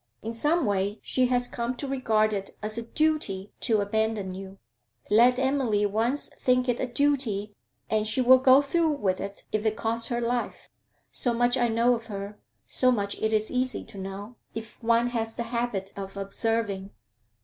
In some way she has come to regard it as a duty to abandon you. Let Emily once think it a duty, and she will go through with it if it costs her life; so much I know of her; so much it is easy to know, if one has the habit of observing.